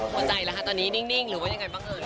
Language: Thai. เข้าใจแล้วค่ะตอนนี้นิ่งหรือว่ายังไงบ้างเอ่ย